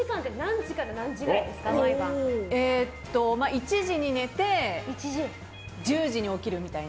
１時に寝て１０時に起きるみたいな。